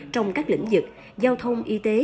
trong các lĩnh dực giao thông y tế